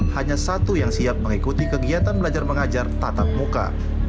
hanya satu yang siap mengikuti kegiatan belajar mengajar tatap muka